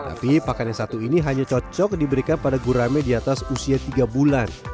tapi pakan yang satu ini hanya cocok diberikan pada gurame di atas usia tiga bulan